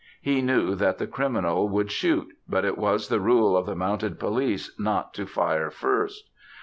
He knew that the criminal would shoot; but it was the rule of the Mounted Police not to fire first.